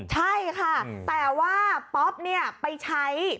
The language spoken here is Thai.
ใช่ค่ะแต่ว่าป๊อปไปใช้